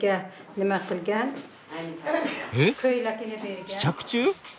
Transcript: え試着中？